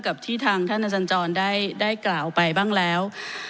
กับที่ทางท่านอาจารย์จรได้กล่าวไปบ้างแล้ว